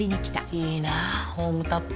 いいなホームタップ。